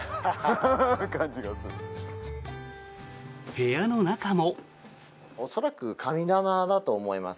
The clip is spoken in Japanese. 部屋の中も。